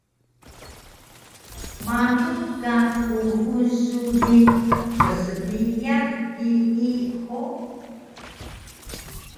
Manu ka kuxul su bi psbiyax hiyi hug?